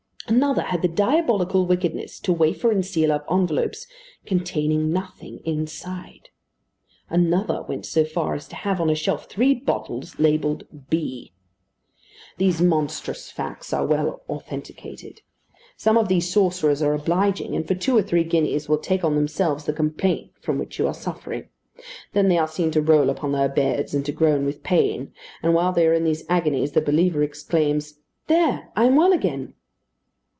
Another had the diabolical wickedness to wafer and seal up envelopes "containing nothing inside." Another went so far as to have on a shelf three bottles labelled "B." These monstrous facts are well authenticated. Some of these sorcerers are obliging, and for two or three guineas will take on themselves the complaint from which you are suffering. Then they are seen to roll upon their beds, and to groan with pain; and while they are in these agonies the believer exclaims, "There! I am well again."